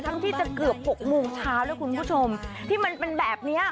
ทั้งที่จะเกือบ๖โมงเช้านะคุณผู้ชมที่มันเป็นแบบนี้